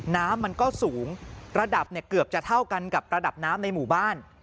น้ำมันก็สูงระดับเนี่ยเกือบจะเท่ากันกับระดับน้ำในหมู่บ้าน